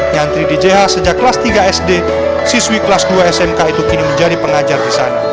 nyantri di jh sejak kelas tiga sd siswi kelas dua smk itu kini menjadi pengajar di sana